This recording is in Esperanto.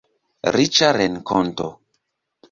Riĉa renkonto.